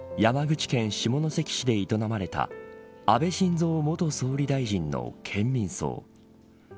山口県下関市で営まれた安倍晋三元総理大臣の県民葬。